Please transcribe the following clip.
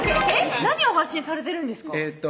何を発信されてるんですか？